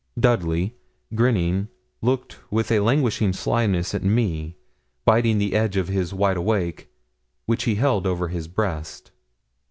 Dudley, grinning, looked with a languishing slyness at me, biting the edge of his wide awake, which he held over his breast.